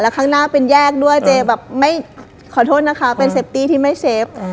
ข้างหน้าเป็นแยกด้วยเจ๊แบบไม่ขอโทษนะคะเป็นเซฟตี้ที่ไม่เซฟ